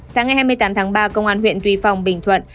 sáng ngày hai mươi tám tháng ba công an huyện tuy phong bình thuận